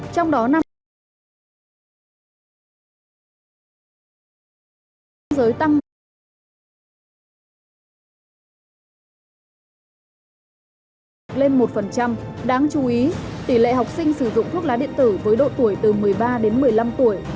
trong đó năm hai nghìn một mươi năm tỷ lệ hút thuốc lá điện tử tăng báo động từ hai năm hai nghìn hai mươi tức là tăng đến một mươi tám lần